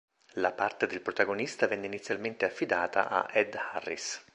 La parte del protagonista venne inizialmente affidata a Ed Harris.